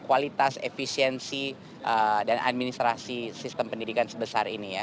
kualitas efisiensi dan administrasi sistem pendidikan sebesar ini ya